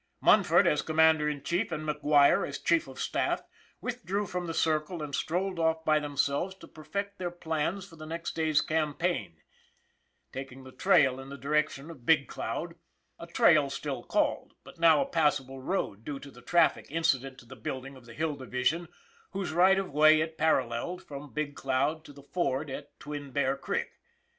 Munford, as commander in chief, and McGuire, as chief of staff, withdrew from the circle and strolled off by themselves to perfect their plans for the next day's campaign, taking the trail in the direction of 336 ON THE IRON AT BIG CLOUD Big Cloud a trail still called, but now a passable road due to the traffic incident to the building of the Hill Division, whose right of way it paralleled from Big Cloud to the ford at Twin Bear Creek.